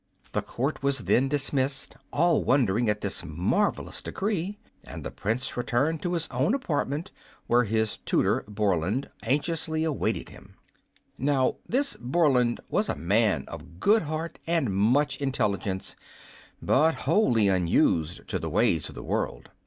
The court was then dismissed, all wondering at this marvellous decree, and the Prince returned to his own apartment where his tutor, Borland, anxiously awaited him. Now this Borland was a man of good heart and much intelligence, but wholly unused to the ways of the world.